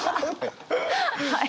はい。